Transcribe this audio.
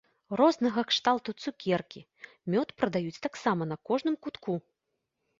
Рознага кшталту цукеркі, мёд прадаюць таксама на кожным кутку.